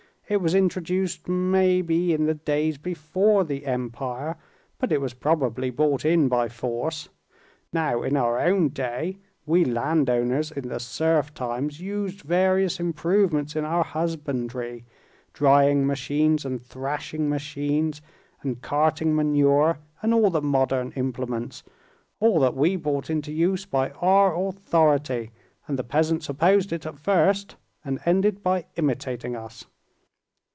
It was introduced maybe in the days before the Empire, but it was probably brought in by force. Now, in our own day, we landowners in the serf times used various improvements in our husbandry: drying machines and thrashing machines, and carting manure and all the modern implements—all that we brought into use by our authority, and the peasants opposed it at first, and ended by imitating us.